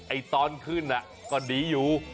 ไอ้ตอนขึ้นก็ดีอยู่